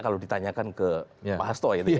kalau ditanyakan ke pak hasto ya